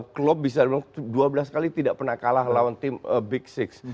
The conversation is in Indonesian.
klub bisa dua belas kali tidak pernah kalah lawan tim big enam